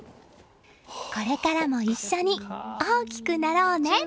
これからも一緒に大きくなろうね！